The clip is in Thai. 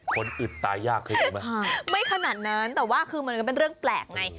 อึดตายากเคยรู้ไหมไม่ขนาดนั้นแต่ว่าคือมันก็เป็นเรื่องแปลกไง